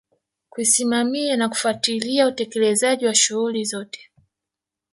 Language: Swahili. Kusimamia na kufuatilia utekelezaji wa shughuli zote